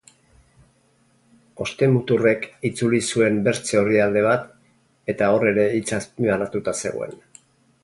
Ostemuturrek itzuli zuen bertze orrialde bat et hor ere hitz azpimarratuta zegoen.